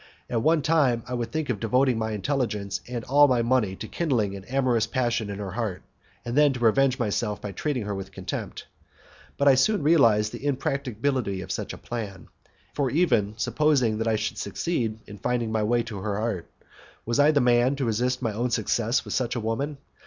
At one time I would think of devoting all my intelligence and all my money to kindling an amorous passion in her heart, and then to revenge myself by treating her with contempt. But I soon realized the impracticability of such a plan, for even supposing that I should succeed in finding my way to her heart, was I the man to resist my own success with such a woman?